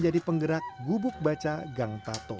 jadi apa yang harus mereka lakukan